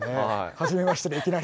はじめましてでいきなり。